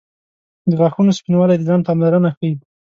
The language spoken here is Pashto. • د غاښونو سپینوالی د ځان پاملرنه ښيي.